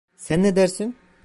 Sen ne dersin?